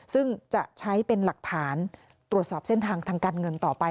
ซึ่งจะใช้เป็นหลักฐานตรวจสอบเส้นทางทางการเงินต่อไป